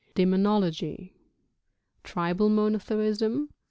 ( Demonology. ( Tribal Monotheism.